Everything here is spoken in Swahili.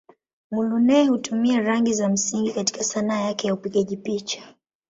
Muluneh hutumia rangi za msingi katika Sanaa yake ya upigaji picha.